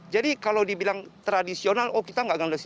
jadi kalau dibilang tradisional oh kita nggak nganggap